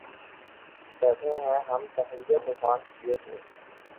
بیٹهے ہیں ہم تہیّہ طوفاں کئے ہوئے